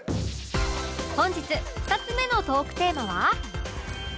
本日２つ目のトークテーマは